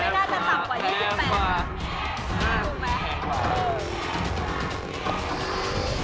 มันไม่น่าจะต่ำกว่า๒๘บาท